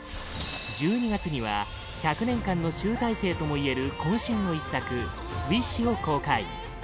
１２月には１００年間の集大成ともいえる渾身の一作「ウィッシュ」を公開